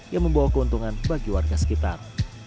yang membawa keuntungan bagi warga sekitar